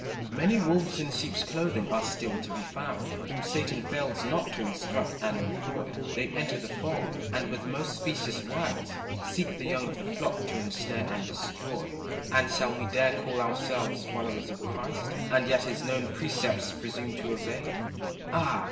Many wolves in sheep's clothing are still to be found, Whom Satan fails not to instruct and employ; They enter the fold, and with most specious wiles, Seek the young of the flock to ensnare and destroy. And shall we dare call ourselves followers of Christ, And yet his known precepts presume to evade? Ah!